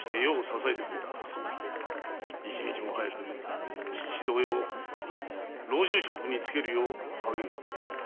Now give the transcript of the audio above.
一日も早く父同様老中職に就けるよう励んでくれ。